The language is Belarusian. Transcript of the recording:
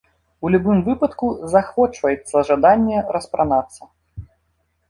У любым выпадку, заахвочваецца жаданне распранацца.